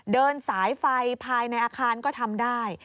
เดินสายไฟภายในอาคารก็ทำได้